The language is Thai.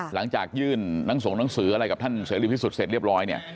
หลังจากยื่นนักส่งหนังสืออะไรกับท่านเสริมที่สุดเสร็จเรียบร้อย